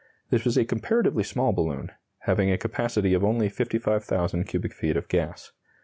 This was a comparatively small balloon, having a capacity of only 55,000 cubic feet of gas.